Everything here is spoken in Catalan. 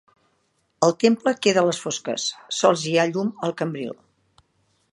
El temple queda a les fosques, sols hi ha llum al cambril.